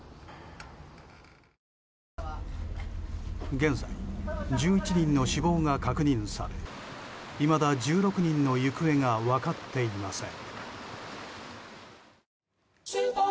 現在、１１人の死亡が確認されいまだ１６人の行方が分かっていません。